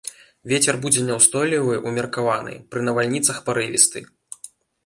Вецер будзе няўстойлівы ўмеркаваны, пры навальніцах парывісты.